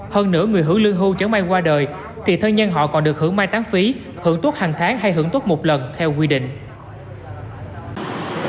hơn nửa người hưởng lương hưu chẳng may qua đời thì thân nhân họ còn được hưởng mai tán phí hưởng tuốt hàng tháng hay hưởng tốt một lần theo quy định